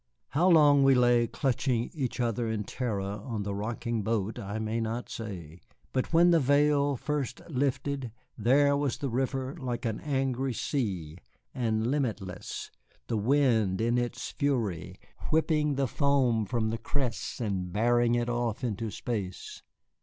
How long we lay clutching each other in terror on the rocking boat I may not say, but when the veil first lifted there was the river like an angry sea, and limitless, the wind in its fury whipping the foam from the crests and bearing it off into space.